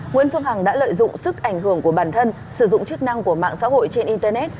nguyễn phương hằng đã lợi dụng sức ảnh hưởng của bản thân sử dụng chức năng của mạng xã hội trên internet